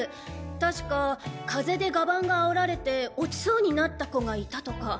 確か風で画板が煽られて落ちそうになった子がいたとか。